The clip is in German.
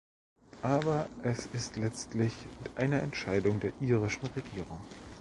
Aber es ist letztlich eine Entscheidung der irischen Regierung.